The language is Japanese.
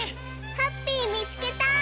ハッピーみつけた！